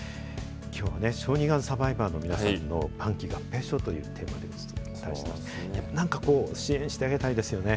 きょうは小児がんサバイバーの皆さんの晩期合併症というテーマでお伝えしましたけど、なんかこう、支援してあげたいですよね。